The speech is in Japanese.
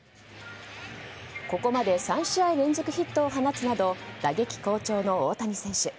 ここまで３試合連続ヒットを放つなど打撃好調の大谷選手。